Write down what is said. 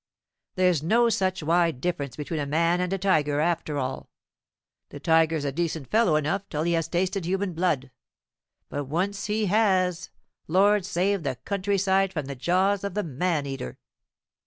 There's no such wide difference between a man and a tiger, after all. The tiger's a decent fellow enough till he has tasted human blood; but when once he has, Lord save the country side from the jaws of the man eater!"